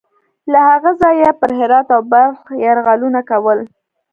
له هغه ځایه یې پر هرات او بلخ یرغلونه کول.